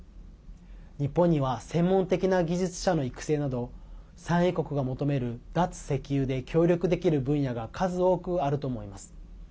日本には専門的な技術者の育成など産油国が求める脱石油で協力できる分野が数多くあると思います。